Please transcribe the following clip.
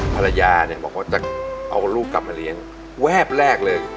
ภรรยาเนี่ยบอกว่าจะเอาลูกกลับมาเลี้ยงแวบแรกเลย